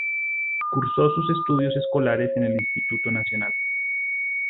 Cursó sus estudios escolares en el Instituto Nacional.